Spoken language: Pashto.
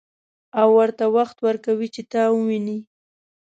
او ورته وخت ورکوي چې تا وويني.